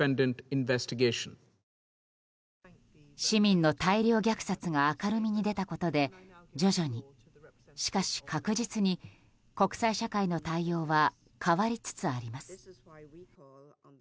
市民の大量虐殺が明るみに出たことで徐々に、しかし確実に国際社会の対応は変わりつつあります。